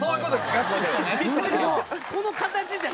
ガチッとね。